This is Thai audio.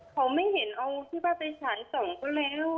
เขาไม่เห็นเอาที่บ้านไปสารส่องก็แล้ว